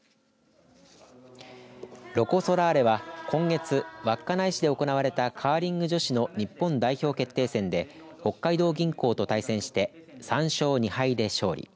ロコ・ソラーレは今月稚内市で行われたカーリング女子の日本代表決定戦で北海道銀行と対戦して３勝２敗で勝利。